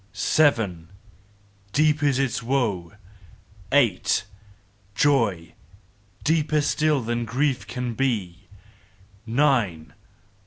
Seven! "Deep is its woe Eight! "Joy deeper still than grief can be: _Nine!